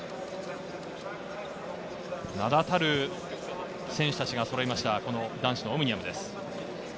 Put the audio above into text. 名だたる選手たちがそろいました、男子のオムニアムです。